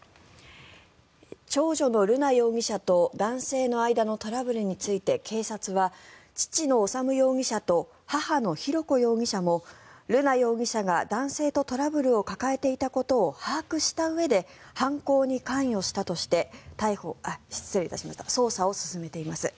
長女の瑠奈容疑者と男性の間のトラブルについて警察は父の修容疑者と母の浩子容疑者も瑠奈容疑者が男性とトラブルを抱えていたことを把握したうえで犯行に関与したとして捜査を進めています。